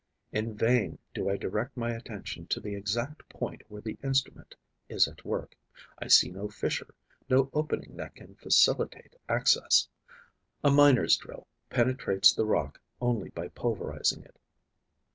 In vain do I direct my attention to the exact point where the instrument is at work; I see no fissure, no opening that can facilitate access. A miner's drill penetrates the rock only by pulverizing it.